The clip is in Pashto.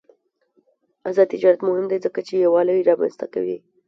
آزاد تجارت مهم دی ځکه چې یووالي رامنځته کوي.